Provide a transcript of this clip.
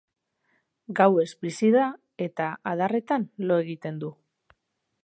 Gauez bizi da eta adarretan lo egiten du.